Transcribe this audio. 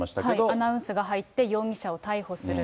アナウンスが入って、容疑者を逮捕する。